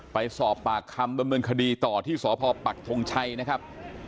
ไปสอบปากคำบับเมืองคดีต่อที่สพปรักษ์ทรงชัยนะครับ